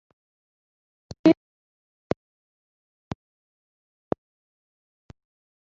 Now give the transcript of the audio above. Mu mpeshyi, bakinaga ku mucanga umunsi wose.